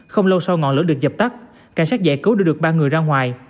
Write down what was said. không lâu sau ngọn lửa được dập tắt cảnh sát giải cứu đưa được ba người ra ngoài